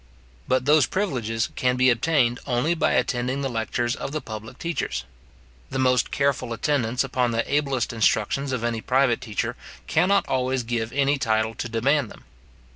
But those privileges can be obtained only by attending the lectures of the public teachers. The most careful attendance upon the ablest instructions of any private teacher cannot always give any title to demand them.